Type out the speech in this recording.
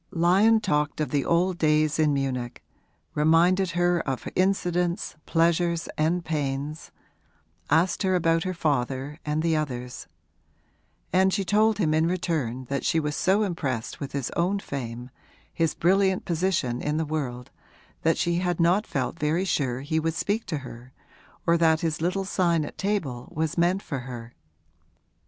Lyon talked of the old days in Munich, reminded her of incidents, pleasures and pains, asked her about her father and the others; and she told him in return that she was so impressed with his own fame, his brilliant position in the world, that she had not felt very sure he would speak to her or that his little sign at table was meant for her.